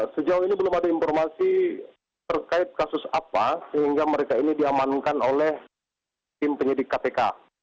sejauh ini belum ada informasi terkait kasus apa sehingga mereka ini diamankan oleh tim penyidik kpk